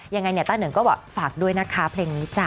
ยังไงต้านเหนิงก็ฝากด้วยนะคะเพลงนี้จ้ะ